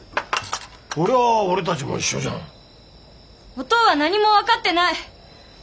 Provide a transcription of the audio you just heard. おとうは何も分かってない！